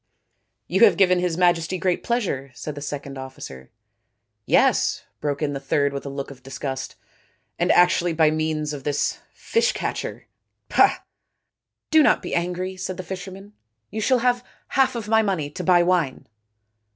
" You have given His Majesty great pleasure," said the second officer. " Yes," broke in the third with a look of disgust, " and actually by means of this fish catcherpah !"" Do not be angry," said the fisherman. " You shall have half of my money to buy wine."